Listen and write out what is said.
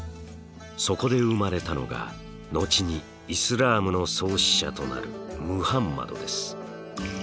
そこで生まれたのが後にイスラームの創始者となるムハンマドです。